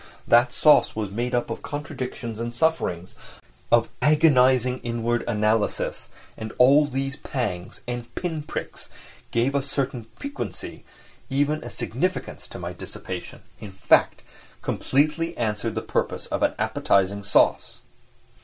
That sauce was made up of contradictions and sufferings, of agonising inward analysis, and all these pangs and pin pricks gave a certain piquancy, even a significance to my dissipation—in fact, completely answered the purpose of an appetising sauce.